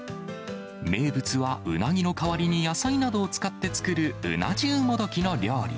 名物はうなぎに代わりに野菜などを使って作るうな重もどきの料理。